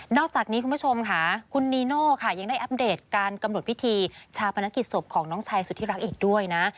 อกจากนี้คุณผู้ชมค่ะคุณนีโน่ค่ะยังได้อัปเดตการกำหนดพิธีชาปนกิจศพของน้องชายสุธิรักษ์อีกด้วยนะ